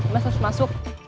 mas harus masuk